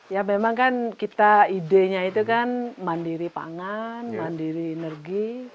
ya memang kan kita idenya itu kan mandiri pangan mandiri energi